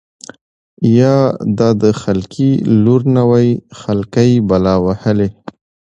يا دا د خلقي لـور نه وای خـلقۍ بلا وهـلې.